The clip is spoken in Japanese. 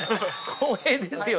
光栄ですよね。